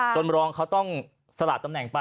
รองเขาต้องสละตำแหน่งไป